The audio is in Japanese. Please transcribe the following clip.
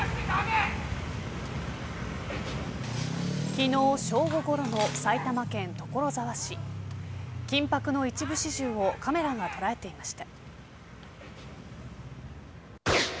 昨日、正午ごろの埼玉県所沢市緊迫の一部始終をカメラが捉えていました。